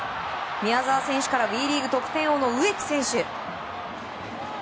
宮澤選手からＷＥリーグ得点王の植木選手。